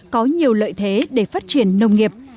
có nhiều lợi thế để phát triển nông nghiệp